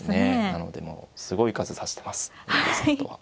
なのでもうすごい数指してます稲葉さんとは。